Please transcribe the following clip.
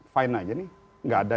fine aja nih nggak ada